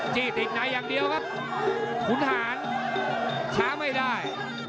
จี้ติดในอย่างเดียวครับขุนหารช้าไม่ได้